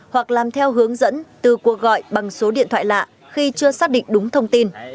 hoặc làm theo hướng dẫn từ cuộc gọi bằng số điện thoại lạ khi chưa xác định đúng thông tin